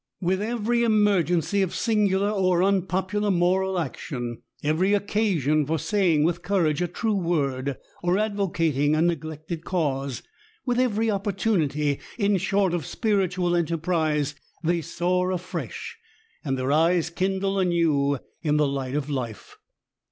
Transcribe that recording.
'* "With every emergency of singular or unpopular moral action, every occasion for saying with courage a true word, or advocating a neglected cause — ^with every opportunity, in short, of spiritual enterprise, they soar afresh, and their eyes kindle anew in the light of life.